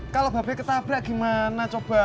kalau bape ketabrak gimana coba